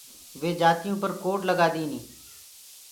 وي جآتيٚنٚ اوپر ڪوڊ لگآ دينيٚ۔